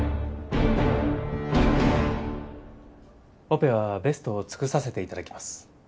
オペはベストを尽くさせて頂きます。